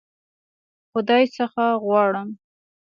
خدای څخه غواړم.